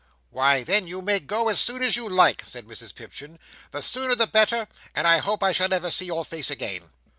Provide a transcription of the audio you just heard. "Why, then you may go as soon as you like," says Mrs Pipchin. "The sooner the better; and I hope I shall never see your face again."